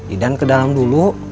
idan ke dalam dulu